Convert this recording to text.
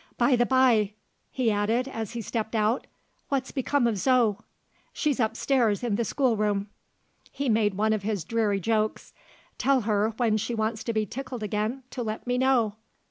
"By the bye," he added, as he stepped out, "what's become of Zo?" "She's upstairs, in the schoolroom." He made one of his dreary jokes. "Tell her, when she wants to be tickled again, to let me know.